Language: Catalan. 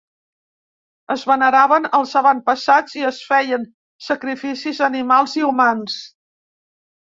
Es veneraven els avantpassats i es feien sacrificis animals i humans.